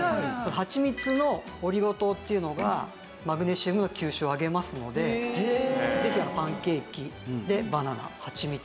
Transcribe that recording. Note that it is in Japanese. はちみつのオリゴ糖っていうのがマグネシウムの吸収を上げますのでぜひパンケーキでバナナはちみつ。